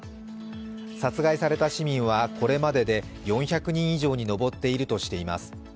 殺害された市民で、これまでで４００人以上に上っているとしています。